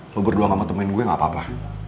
lo berdua gak mau temuin gue gak apa apa